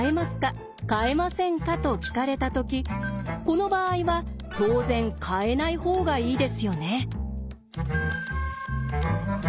変えませんか？」と聞かれたときこの場合は当然変えない方がいいですよね？